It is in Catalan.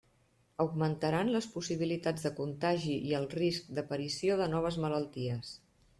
Augmentaran les possibilitats de contagi i el risc d'aparició de noves malalties.